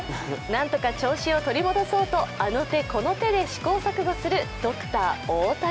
なんとか調子を取り戻そうとあの手この手で試行錯誤するドクター大谷。